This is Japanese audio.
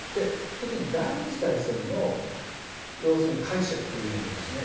特に第２次大戦の解釈というのがですね